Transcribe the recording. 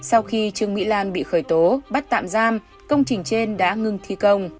sau khi trương mỹ lan bị khởi tố bắt tạm giam công trình trên đã ngừng thi công